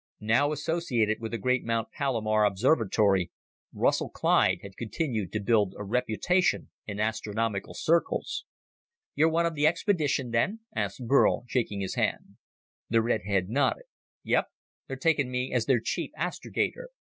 Now associated with the great Mount Palomar Observatory, Russell Clyde had continued to build a reputation in astronomical circles. "You're one of the expedition, then?" asked Burl, shaking his hand. The redhead nodded. "Yep. They're taking me as their chief astrogator.